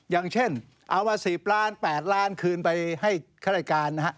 อย่างเช่นเอามา๑๐ล้าน๘ล้านคืนไปให้ข้ารายการนะฮะ